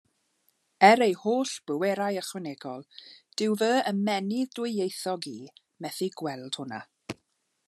Er ei holl bwerau ychwanegol, dyw fy ymennydd dwyieithog i methu gweld hwnna.